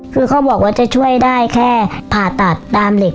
คือเขาบอกว่าจะช่วยได้แค่ผ่าตัดตามเหล็ก